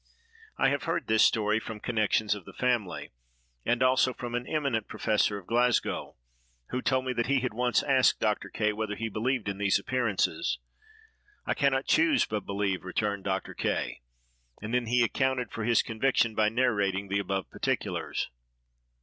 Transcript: I have heard this story from connections of the family, and also from an eminent professor of Glasgow, who told me that he had once asked Dr. K——, whether he believed in these appearances. "I can not choose but believe," returned Dr. K——, and then he accounted for his conviction by narrating the above particulars.